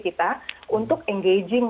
kita untuk engaging